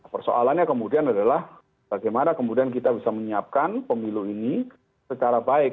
persoalannya kemudian adalah bagaimana kemudian kita bisa menyiapkan pemilu ini secara baik